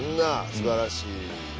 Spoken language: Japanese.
素晴らしい道を。